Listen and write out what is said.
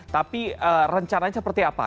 tapi rencananya seperti apa